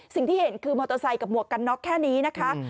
สิ่งที่เห็นคือมอเตอร์ไซค์กับหมวกกันน็อกแค่นี้นะคะ